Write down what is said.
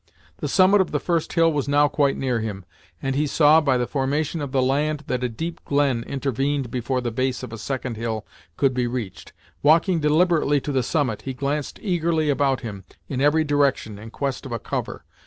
The summit of the first hill was now quite near him, and he saw, by the formation of the land, that a deep glen intervened before the base of a second hill could be reached. Walking deliberately to the summit, he glanced eagerly about him in every direction in quest of a cover.